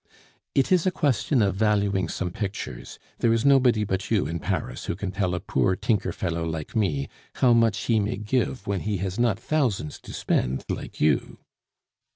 "It is a question of valuing some pictures; there is nobody but you in Paris who can tell a poor tinker fellow like me how much he may give when he has not thousands to spend, like you."